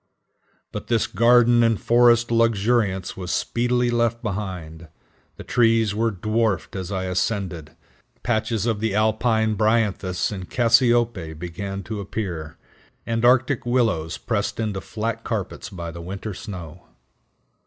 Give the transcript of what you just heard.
But this garden and forest luxuriance was speedily left behind. The trees were dwarfed as I ascended; patches of the alpine bryanthus and cassiope began to appear, and arctic willows pressed into flat carpets by the winter snow.